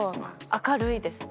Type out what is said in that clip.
明るいです。